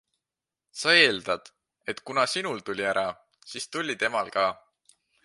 Sa eeldad, et kuna sinul tuli ära, siis tuli temal ka.